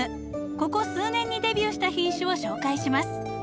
ここ数年にデビューした品種を紹介します。